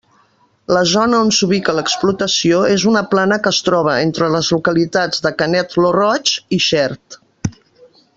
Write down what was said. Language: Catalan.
La zona on s'ubica l'explotació és una plana que es troba entre les localitats de Canet lo Roig i Xert.